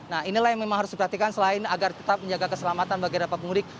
nah inilah yang memang harus diperhatikan selain agar tetap menjaga keselamatan bagi dapat pemudik